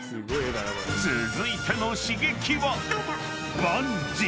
［続いての刺激は］